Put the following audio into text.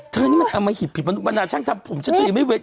เธอนี้มันเอามาหิบผิดปนุษย์บันดาลฉันทำผมจะตื่อไม่เวท